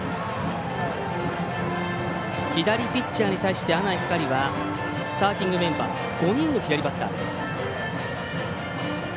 左ピッチャーに対して、阿南光はスターティングメンバー５人の左バッターです。